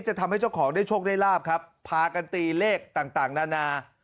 จะทำให้เจ้าของได้โชคได้ลาบครับพากันตีเลขต่างนานา